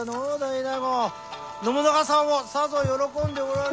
信長様もさぞ喜んでおられる。